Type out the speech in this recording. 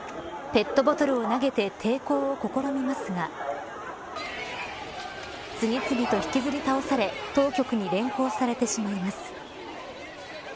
ペットボトルを投げて抵抗を試みますが次々と引きずり倒され当局に連行されてしまいます。